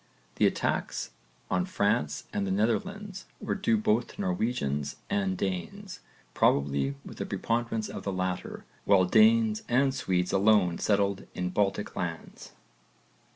The attacks on France and the Netherlands were due both to Norwegians and Danes, probably with a preponderance of the latter, while Danes and Swedes alone settled in Baltic lands.